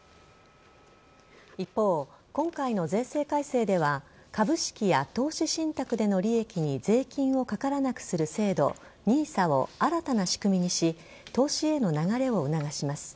一方、今回の税制改正では株式や投資信託での利益に税金をかからなくする制度ＮＩＳＡを新たな仕組みにし投資への流れを促します。